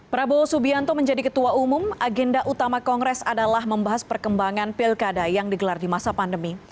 prabowo subianto menjadi ketua umum agenda utama kongres adalah membahas perkembangan pilkada yang digelar di masa pandemi